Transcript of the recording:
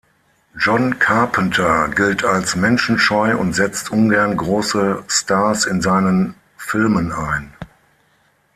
John Carpenter gilt als menschenscheu und setzt ungern große Stars in seinen Filmen ein.